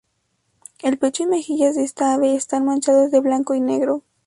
El pecho y mejillas de esta ave están manchados de blanco y negro.